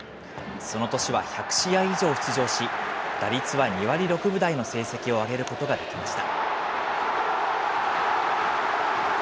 その年は１００試合以上出場し、打率は２割６分台の成績を上げることができました。